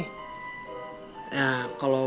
nah kalau mau pindah tempat kosan gak gampang itu pak